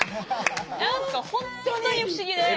何か本当に不思議で。